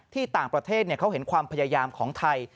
ที่ต่างประเทศเขาเห็นความพยายามของไทย